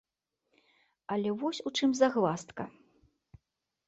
Але вось у чым загваздка.